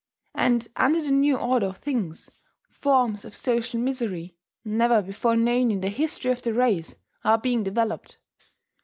And under the new order of things, forms of social misery, never before known in the history of the race, are being developed.